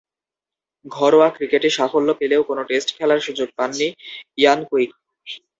ঘরোয়া ক্রিকেটে সাফল্য পেলেও কোন টেস্ট খেলার সুযোগ পাননি ইয়ান কুইক।